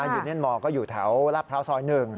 ยูนิทมอลก็อยู่แถวราภร้าวซอย๑